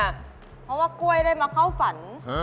เพราะว่ากล้วยได้มาเข้าฝัน